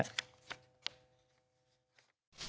นี่นิวิคับ